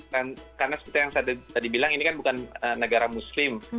karena seperti yang saya tadi bilang ini kan bukan negara muslim